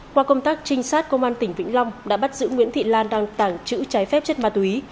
qua công tác trinh sát công an tỉnh vĩnh long đã bắt giữ nguyễn thị lan đang tàng trữ trái phép chất ma túy